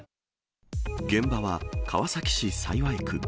現場は、川崎市幸区。